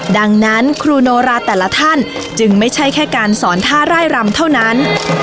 ดังนั้นครูโนราแต่ละท่านจึงไม่ใช่แค่การสอนท่าไร่รำเท่านั้น